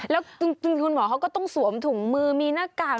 แล้วจริงคุณหมอเขาก็ต้องสวมถุงมือมีหน้ากาก